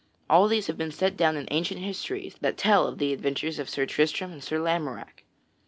All these have been set down in ancient histories that tell of the adventures of Sir Tristram and Sir Lamorack.